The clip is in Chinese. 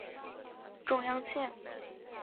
中央线